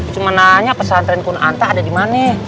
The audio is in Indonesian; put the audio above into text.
cuma nanya pesantren kunanta ada di mana